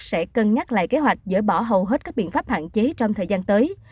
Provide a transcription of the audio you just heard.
sẽ cân nhắc lại kế hoạch dỡ bỏ hầu hết các biện pháp hạn chế trong thời gian tới